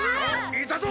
いたぞ！